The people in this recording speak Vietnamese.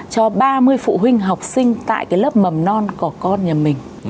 cho ba mươi phụ huynh học sinh tại cái lớp mầm non của con nhà mình